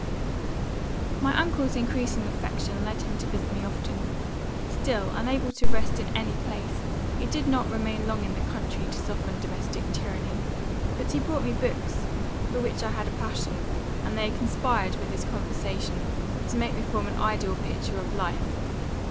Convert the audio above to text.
"My uncle's increasing affection led him to visit me often. Still, unable to rest in any place, he did not remain long in the country to soften domestic tyranny; but he brought me books, for which I had a passion, and they conspired with his conversation, to make me form an ideal picture of life.